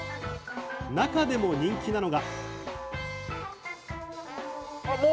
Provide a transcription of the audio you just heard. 中でも人気なのが。